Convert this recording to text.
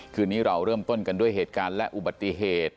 คืนนี้เราเริ่มต้นกันด้วยเหตุการณ์และอุบัติเหตุ